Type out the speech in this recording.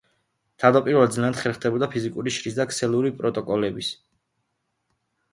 თავდაპირველად ძნელად ხერხდებოდა ფიზიკური შრის და ქსელური პროტოკოლების გაერთიანება.